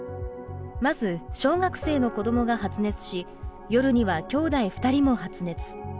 まず小学生の子供が発熱し夜にはきょうだい２人も発熱。